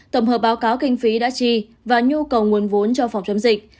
tổng hợp báo cáo kinh phí đã chi và nhu cầu nguồn vốn cho phòng chống dịch